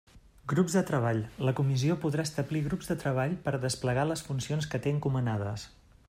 Grups de treball: la Comissió podrà establir grups de treball per a desplegar les funcions que té encomanades.